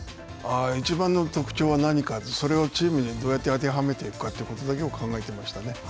いちばんの特徴は何か、それをチームにどうやって当てはめていくかということだけを考えていましたね。